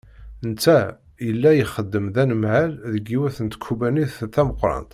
Netta, yalla ixeddem d anemhal deg yiwet n tkebbanit tameqqrant.